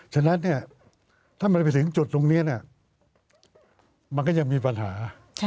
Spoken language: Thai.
ฉะนั้นถ้ามันไปถึงจุดตรงนี้มันก็ยังมีปัญหา